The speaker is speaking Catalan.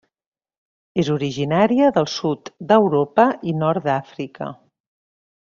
És originària del sud d'Europa i Nord d'Àfrica.